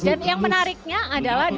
dan yang menariknya adalah